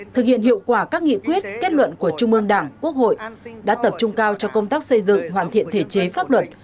thực hiện hiệu quả các nghị quyết kết luận của trung ương đảng quốc hội đã tập trung cao cho công tác xây dựng hoàn thiện thể chế pháp luật